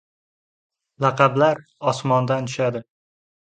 • Laqablar osmondan tushadi.